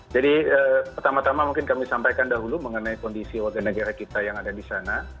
jadi pertama tama mungkin kami sampaikan dahulu mengenai kondisi warga negara kita yang ada di sana